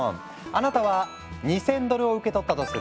あなたは２，０００ドルを受け取ったとする。